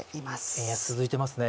円安、続いていますね。